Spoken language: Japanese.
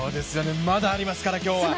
まだありますから、今日は。